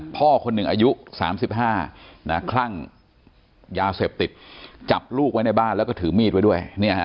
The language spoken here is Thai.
พ่อคนหนึ่งอายุ๓๕คลั่งยาเสพติดจับลูกไว้ในบ้านแล้วก็ถือมีดไว้ด้วย